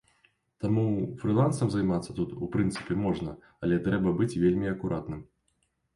Таму, фрылансам займацца тут, у прынцыпе, можна, але трэба быць вельмі акуратным.